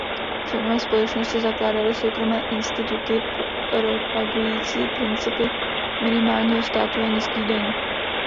Členové společnosti zakládali soukromé instituty propagující principy minimálního státu a nízkých daní.